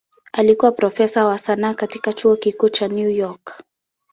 Alikuwa profesa wa sanaa katika Chuo Kikuu cha New York.